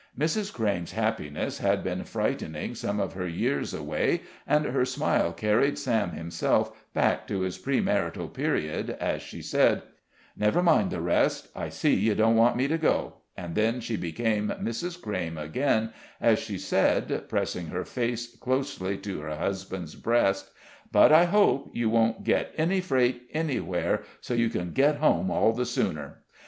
Mrs. Crayme's happiness had been frightening some of her years away, and her smile carried Sam himself back to his pre marital period as she said: "Never mind the rest; I see you don't want me to go," and then she became Mrs. Crayme again as she said, pressing her face closely to her husband's breast, "but I hope you won't get any freight, anywhere, so you can get home all the sooner."